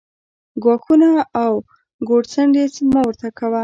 ګواښونه او ګوت څنډنې مه ورته کاوه